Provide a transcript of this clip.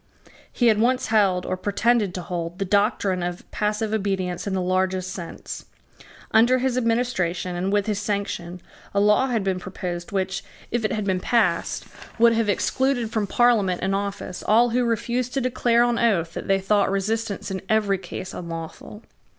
He had once held, or pretended to hold, the doctrine of passive obedience in the largest sense. Under his administration and with his sanction, a law had been proposed which, if it had been passed, would have excluded from Parliament and office all who refused to declare on oath that they thought resistance in every case unlawful.